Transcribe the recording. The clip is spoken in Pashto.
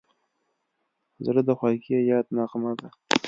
زړه د خوږې یاد نغمه ده.